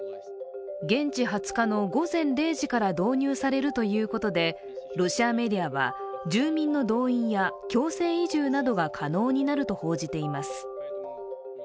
現地２０日の午前０時から導入されるということでロシアメディアは住民の動員や強制移住などが可能になると報じています。